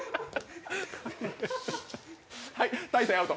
はい、大晴アウト。